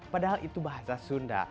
padahal itu bahasa sunda